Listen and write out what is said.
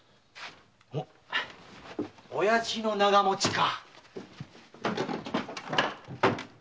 おやじの長持ちか。